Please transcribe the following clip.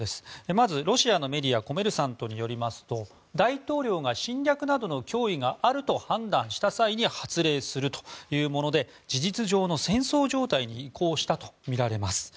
まずロシアのメディアコメルサントによりますと大統領が侵略などの脅威があると判断した際に発令するというもので事実上の戦争状態に移行したとみられます。